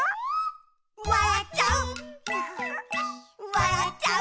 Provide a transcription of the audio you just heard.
「わらっちゃう」